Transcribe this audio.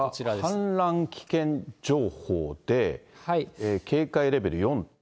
氾濫危険情報で、警戒レベル４。